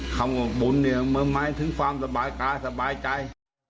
คำว่าบุญหมายถึงความสบายกายสบายใจ